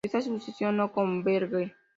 Esta sucesión no converge.